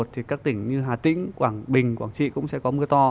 thì các tỉnh như hà tĩnh quảng bình quảng trị cũng sẽ có mưa to